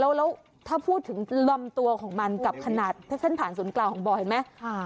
แล้วถ้าพูดถึงลำตัวของมันกับขนาดเส้นผ่านศูนย์กลางของบ่อเห็นไหม